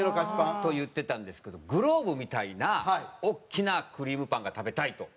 ずっと言ってたんですけどグローブみたいな大きなクリームパンが食べたいと。